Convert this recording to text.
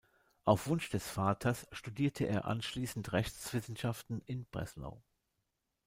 Auf Wunsch des Vaters studierte er anschließend Rechtswissenschaften in Breslau.